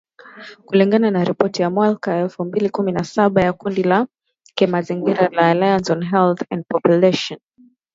Kulingana na ripoti ya mwaka elfu mbili kumi na saba ya kundi la kimazingira la Alliance on Health and Pollution